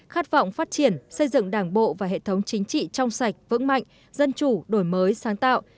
khát vọng phát triển xây dựng đảng bộ và hệ thống chính trị trong sạch vững mạnh dân chủ đổi mới sáng tạo